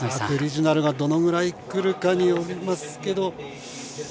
クリジュナルがどのくらいくるかによりますが。